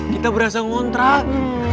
kita berasa ngontrak